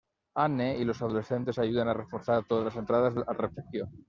Anne y los adolescentes ayudan a reforzar todas las entradas al refugio.